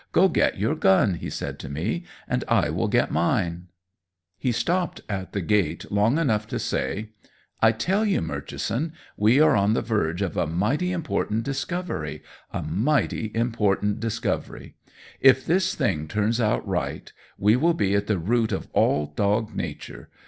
Go get your gun," he said to me, "and I will get mine." [Illustration: 82] He stopped at the gate long enough to say: "I tell you, Murchison, we are on the verge of a mighty important discovery a mighty important discovery! If this thing turns out right, we will be at the root of all dog nature.